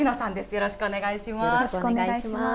よろしくお願いします。